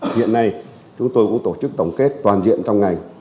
hiện nay chúng tôi cũng tổ chức tổng kết toàn diện trong ngành